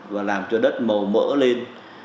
và làm cho đất màu mỡ lên